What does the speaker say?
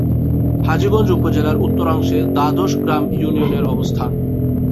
হাজীগঞ্জ উপজেলার উত্তরাংশে দ্বাদশ গ্রাম ইউনিয়নের অবস্থান।